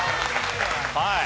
はい。